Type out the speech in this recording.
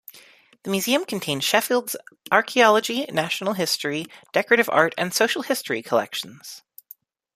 The museum contained Sheffield's archaeology, natural history, decorative art and social history collections.